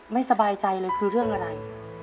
ไม่สบายใจเลยคือเรื่องอะไร